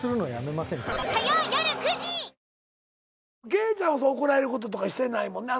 圭ちゃんは怒られることとかしてないもんね。